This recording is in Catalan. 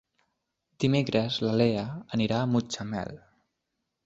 Dimecres na Lea anirà a Mutxamel.